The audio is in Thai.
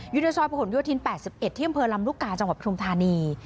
อยู่ในซอยประคุณวิวทีนแปดสิบเอ็ดที่อำเภอลำรุกกาจังหวัดพิมพ์ธานี